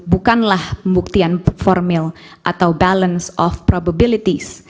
bukanlah pembuktian formil atau balance of probabilities